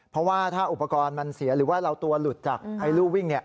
เพราะว่าถ้าอุปกรณ์มันเสียหรือว่าเราตัวหลุดจากรูวิ่ง